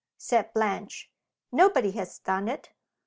said Blanche. "Nobody has done it."